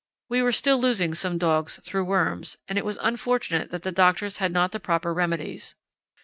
We were still losing some dogs through worms, and it was unfortunate that the doctors had not the proper remedies.